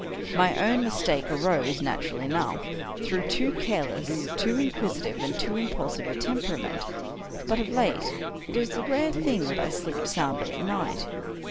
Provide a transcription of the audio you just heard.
My own mistake arose, naturally enough, through too careless, too inquisitive, and too impulsive a temperament. But of late, it is a rare thing that I sleep soundly at night.